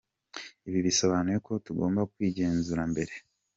Ibi bisobanuye ko tugomba kwigenzura mbere.